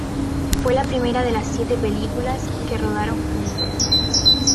Fue la primera de las siete películas que rodaron juntos.